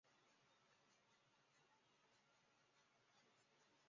马英九另亦请部会着手研议寻求其他国际途径解决之可行性。